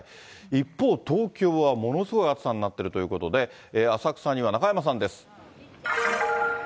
一方、東京はものすごい暑さになってるということで、浅草には中山さんです。